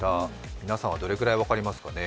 皆さんはどれくらい分かりますかね。